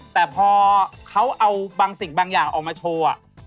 แต่พอเขาเอาบางสิ่งบางอย่างออกมาโชว์